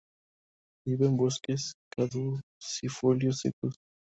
Vive en bosques caducifolios secos.